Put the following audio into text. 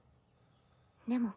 でも。